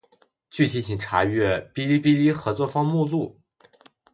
具体请查阅《哔哩哔哩合作方目录》。